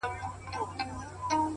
چا زر رنگونه پر جهان وپاشل چيري ولاړئ،